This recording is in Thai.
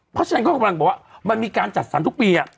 เพราะฉะนั้นเขากำลังบอกว่ามันมีการจัดสรรทุกปี